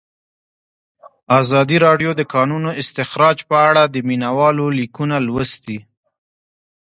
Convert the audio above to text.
ازادي راډیو د د کانونو استخراج په اړه د مینه والو لیکونه لوستي.